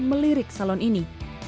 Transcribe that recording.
melirik salon ini